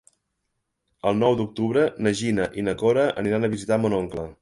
El nou d'octubre na Gina i na Cora aniran a visitar mon oncle.